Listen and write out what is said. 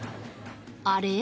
あれ？